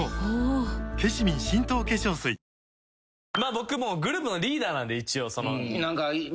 僕もグループのリーダーなんで一応。